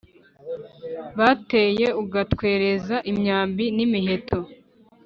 bateye ugatwereza imyambi nimiheto